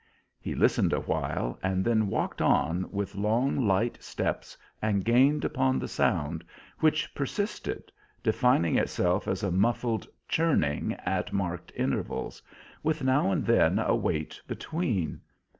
He listened awhile, and then walked on with long, light steps and gained upon the sound, which persisted, defining itself as a muffled churning at marked intervals, with now and then a wait between.